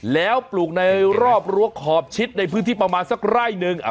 แล้วปลูกในรอบรั้วขอบชิดในพื้นที่ประมาณสักไร่หนึ่ง